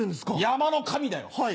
山の神だよ。